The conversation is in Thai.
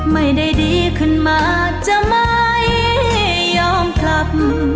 ไม่ได้ดีขึ้นมากจะไม่ยอมกลับ